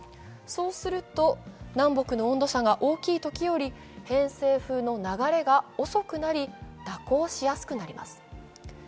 そうすると、南北の温度差が大きいときより、偏西風の流れが遅くなり、蛇行しやすくなります。